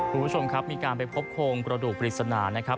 คุณผู้ชมครับมีการไปพบโครงกระดูกปริศนานะครับ